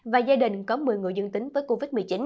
và gia đình có một mươi người dương tính với covid một mươi chín